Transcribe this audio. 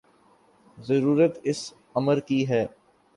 ضرورت اس امر کی ہے